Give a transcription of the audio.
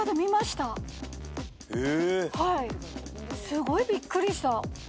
すごいびっくりした。